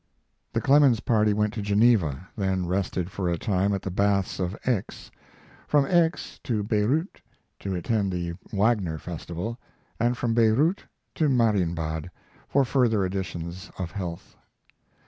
The Clemens party went to Geneva, then rested for a time at the baths of Aix; from Aix to Bayreuth to attend the Wagner festival, and from Bayreuth to Marienbad for further additions of health.